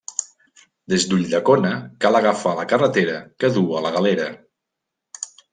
Des d'Ulldecona, cal agafar la carretera que duu a la Galera.